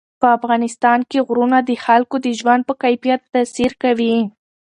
په افغانستان کې غرونه د خلکو د ژوند په کیفیت تاثیر کوي.